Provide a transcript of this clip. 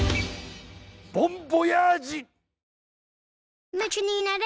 ボンボヤージ。